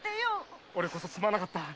俺こそすまなかった。